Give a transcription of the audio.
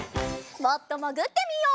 もっともぐってみよう。